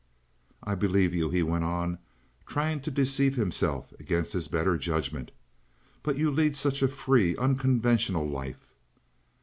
"I believe you," he went on, trying to deceive himself against his better judgment. "But you lead such a free, unconventional life."